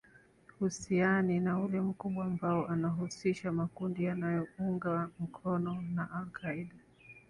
husiani na ule mkubwa ambao unahusisha makundi yanayo ungwa mkono na al qaeda